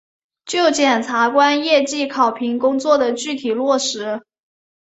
就检察官业绩考评工作的具体落实